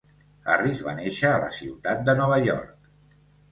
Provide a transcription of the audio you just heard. Harris va néixer a la ciutat de Nova York.